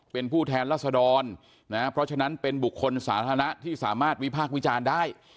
เป็นผู้แทนรัศดรนะเพราะฉะนั้นเป็นบุคคลสาธารณะที่สามารถวิพากษ์วิจารณ์ได้